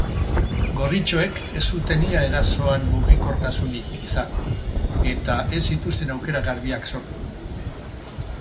Gorritxoek ez zuten ia erasoan mugikortasunik izan eta ez zituzten aukera garbiak sortu.